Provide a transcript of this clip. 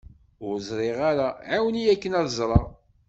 Ur ẓriɣ ara, ɛiwen-iyi akken ad ẓreɣ.